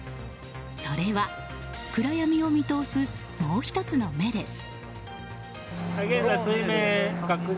それは、暗闇を見通すもう１つの目です。